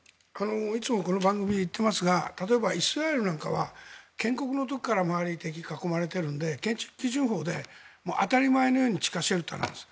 いつもこの番組で言っていますが例えば、イスラエルなんかは建国の時から周りが敵に囲まれているので建築基準法で当たり前のように地下シェルターなんです。